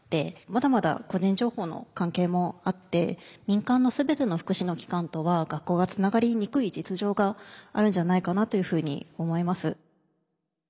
まだまだ個人情報の関係もあって民間の全ての福祉の機関とは学校がつながりにくい実情があるんじゃないかなというふうに思います。